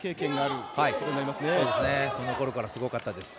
そのころからすごかったです。